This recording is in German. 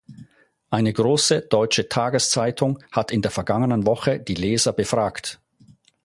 Eine große deutsche Tageszeitung hat in der vergangenen Woche die Leser befragt.